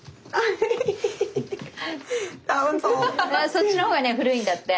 そっちの方がね古いんだって。